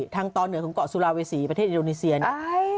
ทางตอนเหนือของเกาะสุราเวษีประเทศอินโดนีเซียเนี่ย